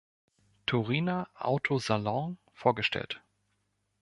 Turiner Autosalon vorgestellt.